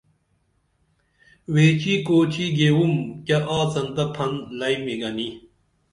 ویچی کُوچی گیوم کیہ آڅن تہ پھن لئیمی گنی